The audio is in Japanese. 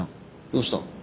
どうした？